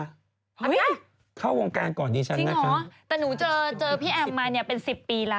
เฮ่ยเข้าวงการก่อนฉันนะคะช่างหอแต่หนูเจอพี่แอมป์มาเนี่ยเป็น๑๐ปีละ